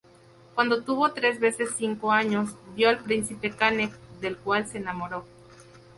Cuando tuvo tres veces cinco años, vio al príncipe Canek del cual se enamoró.